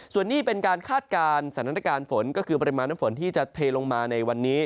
ส่วนนี้เป็นการคาดการณ์สถานการณ์ฝนก็คือปริมาณน้ำฝนที่จะเทลงมาในวันนี้